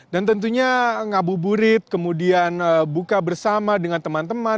dan tentunya ngabuburit kemudian buka bersama dengan teman teman